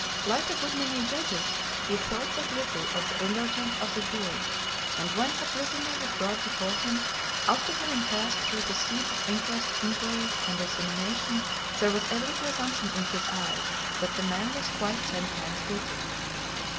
Like a good many judges, he thought but little of the indulgence of the jury, and when a prisoner was brought before him, after having passed through the sieve of inquest, inquiry, and examination, there was every presumption in his eyes that the man was quite ten times guilty.